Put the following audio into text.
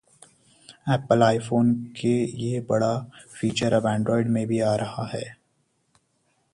Apple iPhone का ये बड़ा फीचर अब Android में भी आ रहा है